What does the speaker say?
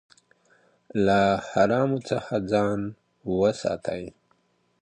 له حرامو څخه ځان وساتئ.